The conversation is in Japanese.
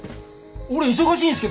俺忙しいんすけど！